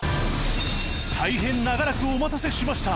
大変長らくお待たせしました